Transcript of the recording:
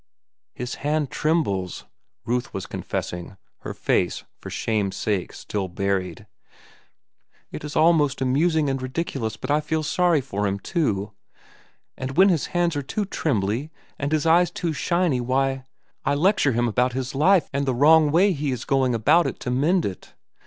"His hand trembles," Ruth was confessing, her face, for shame's sake, still buried. "It is most amusing and ridiculous, but I feel sorry for him, too. And when his hands are too trembly, and his eyes too shiny, why, I lecture him about his life and the wrong way he is going about it to mend it.